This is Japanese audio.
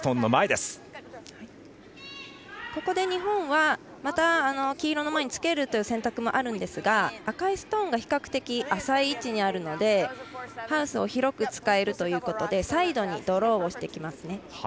ここで日本はまた黄色の前につけるという選択もあるんですが赤いストーンが比較的浅い位置にあるのでハウスを広く使えるということでサイドにドローをしてきますね。